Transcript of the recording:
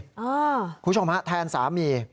คุณผู้ชมฮะแทนสามี